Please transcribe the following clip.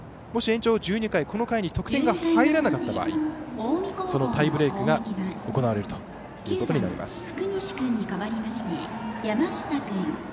もし延長１２回、この回に得点が入らなかった場合タイブレークが行われるということになります。